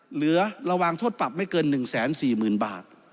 เหลือระวังโทษปรับไม่เกิน๑๔๐๐๐บาท